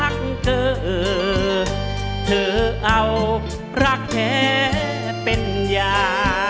จากคราวรักเธอเธอเอารักแท้เป็นยา